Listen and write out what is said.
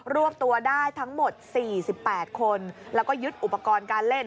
รวบตัวได้ทั้งหมด๔๘คนแล้วก็ยึดอุปกรณ์การเล่น